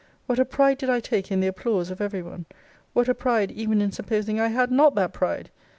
What a pride did I take in the applause of every one! What a pride even in supposing I had not that pride!